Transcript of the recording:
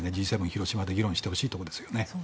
広島で議論してほしいと思います。